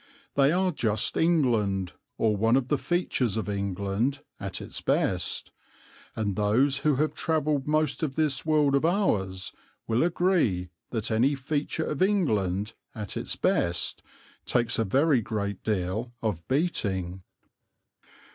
They are just England, or one of the features of England, at its best; and those who have travelled most of this world of ours will agree that any feature of England, at its best, takes a very great deal of beating.